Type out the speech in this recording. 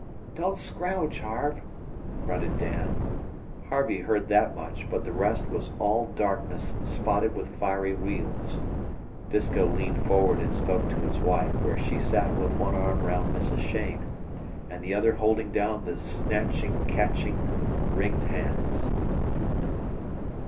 "Don't scrowge, Harve," grunted Dan. Harvey heard that much, but the rest was all darkness spotted with fiery wheels. Disko leaned forward and spoke to his wife, where she sat with one arm round Mrs. Cheyne, and the other holding down the snatching, catching, ringed hands.